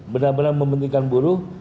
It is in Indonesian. benar benar mempentingkan buruh